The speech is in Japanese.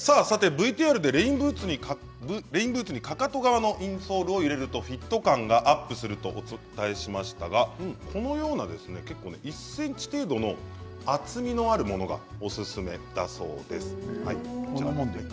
ＶＴＲでレインブーツにかかと側のインソールを入れるとフィット感がアップするとお伝えしましたがこのような１ｃｍ程度の厚みがあるものが、おすすめだそうです。